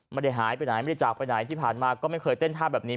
ไม่ได้หายไปไหนไม่ได้จากไปไหนที่ผ่านมาก็ไม่เคยเต้นท่าแบบนี้